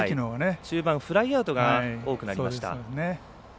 中盤フライアウトが多くなりました。